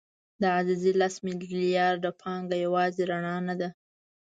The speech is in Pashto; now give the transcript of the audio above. د عزیزي لس میلیارده پانګه یوازې رڼا نه ده.